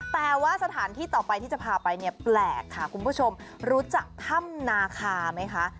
แต่ว่าสถานที่ต่อไปที่จะพาไปเนี่ยแปลกค่ะคุณผู้ชมรู้จักถ้ำนาคาไหมคะ